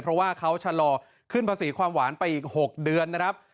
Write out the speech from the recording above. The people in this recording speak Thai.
เพราะว่าเขาชะลอขึ้นภาษีความหวานไปอีก๖เดือนนะครับ